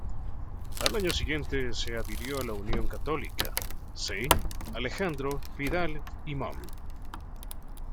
Al año siguiente se adhirió a la Unión Católica se Alejandro Pidal y Mon.